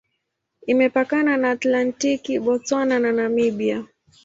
Imepakana na Atlantiki, Botswana na Namibia.